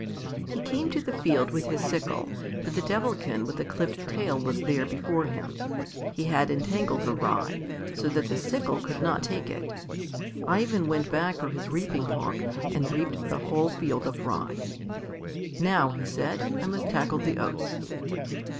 He came to the field with his sickle, but the Devilkin with the clipped tail was there before him. He had entangled the rye, so that the sickle could not take it. Ivan went back for his reaping hook and reaped the whole field of rye. "Now," he said, "I must tackle the oats."